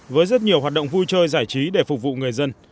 với rất nhiều hoạt động vui chơi giải trí để phục vụ người dân